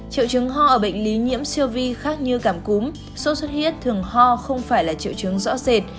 triệu chứng ho ở bệnh lý nhiễm siêu vi khác như cảm cúm sốt xuất huyết thường ho không phải là triệu chứng rõ rệt